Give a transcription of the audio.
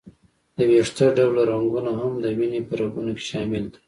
د وېښته ډوله رګونه هم د وینې په رګونو کې شامل دي.